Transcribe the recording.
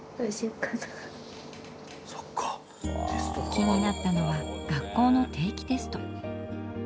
気になったのは学校の定期テスト。